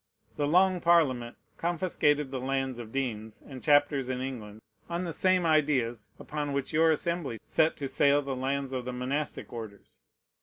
The Long Parliament confiscated the lands of deans and chapters in England on the same ideas upon which your Assembly set to sale the lands of the monastic orders.